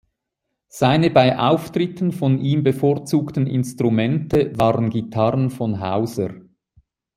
Seine bei Auftritten von ihm bevorzugten Instrumente waren Gitarren von Hauser.